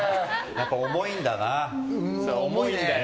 やっぱり重いんだな。